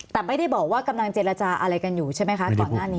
แต่ไม่ได้บอกว่ากำลังเจรจาอะไรกันอยู่ใช่ไหมคะก่อนหน้านี้